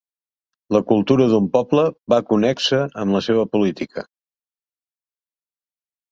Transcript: La cultura d'un poble va connexa amb la seva política.